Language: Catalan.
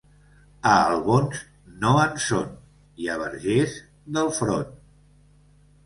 A Albons, no en són, i a Verges, del front.